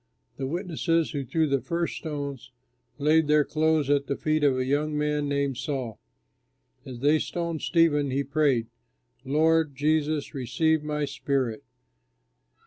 The witnesses who threw the first stones, laid their clothes at the feet of a young man named Saul. As they stoned Stephen, he prayed, "Lord, Jesus, receive my spirit!"